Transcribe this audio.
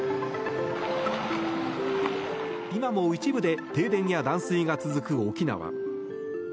今も一部で停電や断水が続く沖縄。